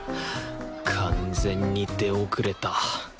完全に出遅れた。